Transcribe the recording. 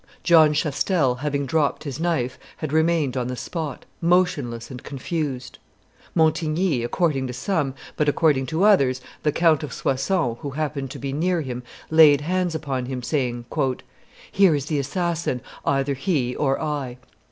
John Chastel, having dropped his knife, had remained on the spot, motionless and confused. Montigny, according to some, but, according to others, the Count of Soissons, who happened to be near him, laid hands upon him, saying, "Here is the assassin, either he or I."